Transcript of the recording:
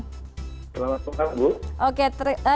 selamat malam bu